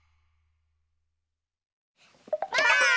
ばあっ！